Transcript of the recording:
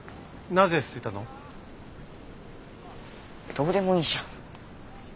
どうでもいいじゃん。